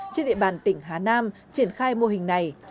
trên địa bàn tỉnh hà nam triển khai mô hình này